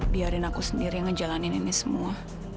biarin aku sendiri yang ngejalanin ini semua